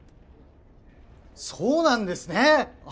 そうなんですね！